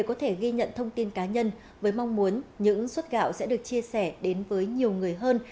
có thể ghi nhận thông tin cá nhân với mong muốn những suất gạo sẽ được chia sẻ đến với nhiều người hơn